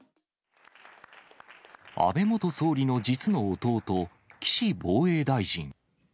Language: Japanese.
安倍元総理の実の弟、岸防衛大臣。